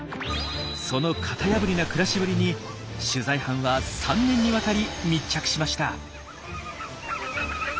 その型破りな暮らしぶりに取材班は３年にわたり密着しました。